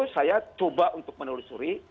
saya coba untuk menelusuri